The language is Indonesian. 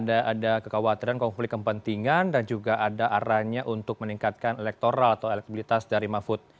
ada kekhawatiran konflik kepentingan dan juga ada arahnya untuk meningkatkan elektoral atau elektabilitas dari mahfud